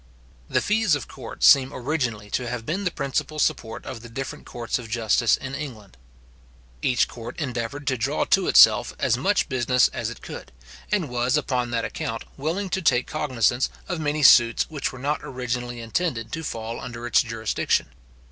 The fees of court seem originally to have been the principal support of the different courts of justice in England. Each court endeavoured to draw to itself as much business as it could, and was, upon that account, willing to take cognizance of many suits which were not originally intended to fall under its jurisdiction.